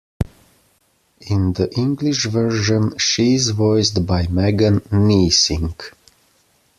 In the English version, she is voiced by Megan Niessink.